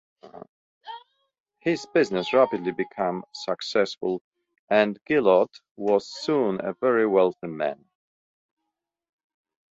His business rapidly became successful and Gillott was soon a very wealthy man.